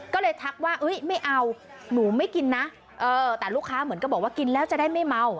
ก็เลยทักว่าไม่เอาหนูไม่กินนะแต่ลูกค้าเหมือนก็บอกว่ากินแล้วจะได้ไม่เมา